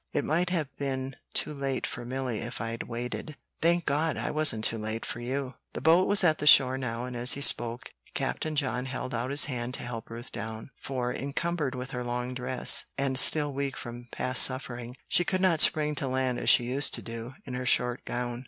It might have been too late for Milly if I'd waited." "Thank God, I wasn't too late for you." The boat was at the shore now; and as he spoke Captain John held out his hands to help Ruth down, for, encumbered with her long dress, and still weak from past suffering, she could not spring to land as she used to do in her short gown.